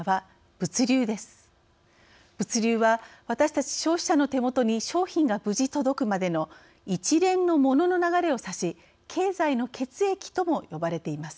物流は私たち消費者の手元に商品が無事届くまでの一連のモノの流れを指し経済の血液とも呼ばれています。